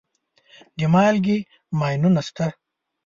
د مالګې ماینونه شته.